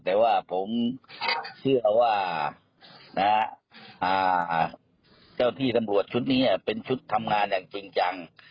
แต่ว่าผมเชื่อว่าเจ้าที่ตำรวจชุดนี้เป็นชุดทำงานอย่างจริงจัง